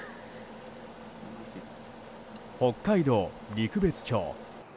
北海道陸別町。